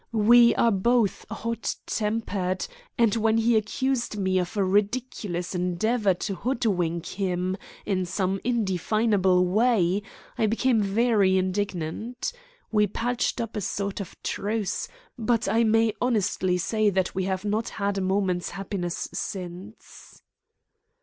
We are both hot tempered, and when he accused me of a ridiculous endeavour to hoodwink him in some indefinable way I became very indignant. We patched up a sort of truce, but I may honestly say that we have not had a moment's happiness since."